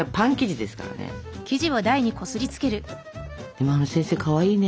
でもあの先生かわいいね。